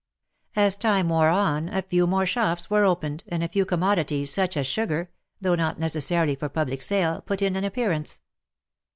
As time wore on a few more shops were opened, and a few commodities such as sugar — though not necessarily for public sale — put in an appearance.